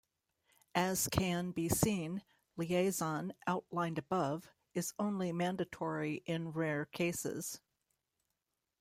As can be seen, liaison, outlined above, is only mandatory in rare cases.